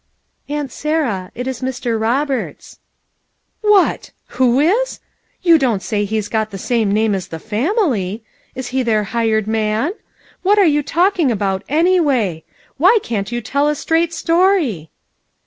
"Aunt Sarah, it is Mr. Roberts." "What! Who is? You don't say he's got the same name as the family! Is he their hired man? What are you talking about, any way? Why can't you tell a straight story?"